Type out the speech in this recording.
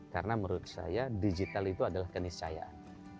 karena menurut saya digital itu adalah keniscayaan